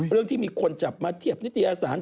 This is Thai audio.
เรื่องที่มีคนจับมาเทียบนิตยสาร